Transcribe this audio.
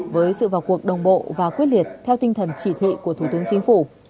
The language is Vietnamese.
với sự vào cuộc đồng bộ và quyết liệt theo tinh thần chỉ thị của thủ tướng chính phủ